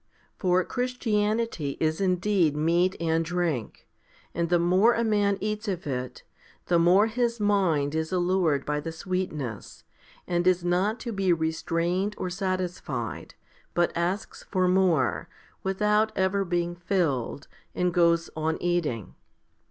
13. For Christianity is indeed meat and drink; and the more a man eats of it, the more his mind is allured by the sweetness, and is not to be restrained or satisfied, but asks for more, without ever being filled, and goes on eating.